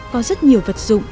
có rất nhiều vật dụng